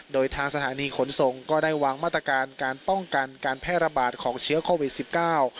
โดยทางสถานีขนส่งก็ได้วางมาตรการการป้องกันการแพร่ระบาดของเชื้อโควิดสิบเก้า